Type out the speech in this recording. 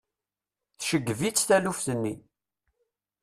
Tceggeb-itt taluft-nni.